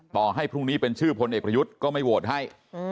ต่อให้พรุ่งนี้เป็นชื่อพลเอกประยุทธ์ก็ไม่โหวตให้